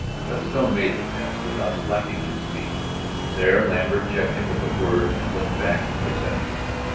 Whetstone made the fence without slackening his speed. There Lambert checked him with a word and looked back for his enemies.